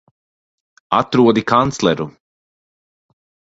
Atrodi kancleru!